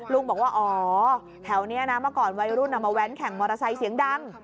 ลุงบอกว่าอ๋อแถวนี้นะเมื่อก่อนวัยรุ่นมาแว้นแข่งมอเตอร์ไซค์เสียงดัง